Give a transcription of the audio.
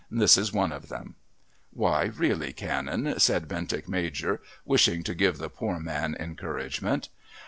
This is one of them " "Why, really, Canon," said Bentinck Major, wishing to give the poor man encouragement.